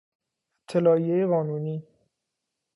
اطلاعیهی قانونی